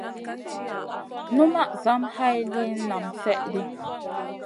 Numaʼ zam hay liyn naam slèh ɗi.